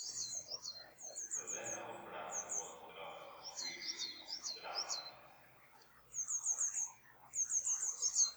Then our brother was drawn — swiftly — to drunkenness.